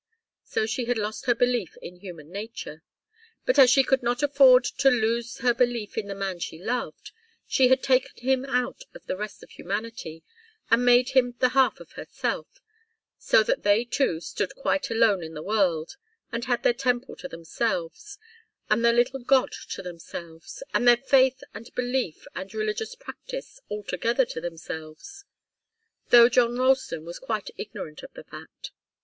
So she had lost her belief in human nature. But as she could not afford to lose her belief in the man she loved, she had taken him out of the rest of humanity, and made him the half of herself, so that they two stood quite alone in the world, and had their temple to themselves, and their little god to themselves, and their faith and belief and religious practice altogether to themselves, though John Ralston was quite ignorant of the fact.